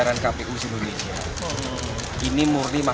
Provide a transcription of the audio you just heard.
pak wahyu indonesia ini pak